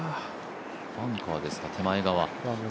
バンカーですか、手前側。